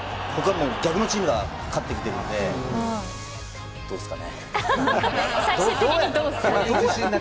逆のチームが勝ってきてるのでどうですかね。